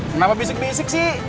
kenapa bisik bisik sih